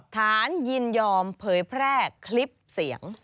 ฐานยินยอมเผยแพร่คลิปเสียง